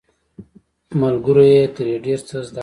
ملګرو یې ترې ډیر څه زده کړل.